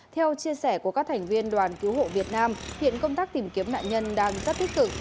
theo chia sẻ của các thành viên đoàn cứu hộ việt nam hiện công tác tìm kiếm nạn nhân đang rất tích cực